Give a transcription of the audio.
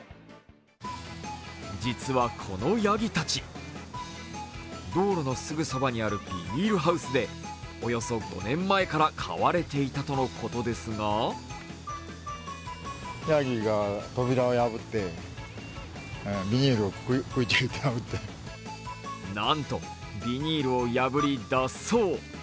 実はこのやぎたち、道路のすぐそばにあるビニールハウスでおよそ５年前から飼われていたとのことですがなんと、ビニールを破り脱走。